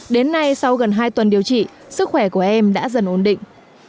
đến nay sau gần hai tuần điều trị sức khỏe của em đã dần ổn định